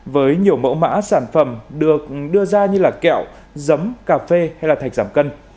với nhiều mẫu mã sản phẩm được đưa ra như kẹo dấm cà phê hay thạch giảm cân